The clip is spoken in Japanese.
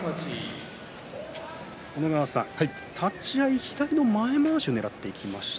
小野川さん、立ち合い左の前まわしをねらっていきました。